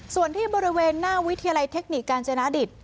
ส่วนที่บริเวณหน้าวิทยาลัยเทคนิคการจนาดิต